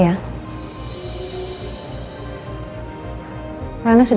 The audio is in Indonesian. yang penting parliament